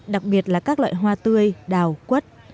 đặc biệt là các loại hoa tươi đào quất